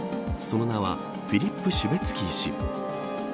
その名はフィリップ・シュベツキー氏。